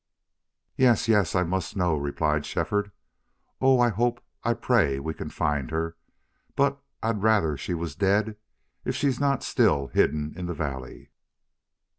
"Yes, yes I must know," replied Shefford. "Oh, I hope, I pray we can find her! But I'd rather she was dead if she's not still hidden in the valley."